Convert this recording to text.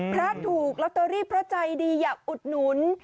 พระถูกลอตเตอรี่เพราะใจดีอยากอุดหนุน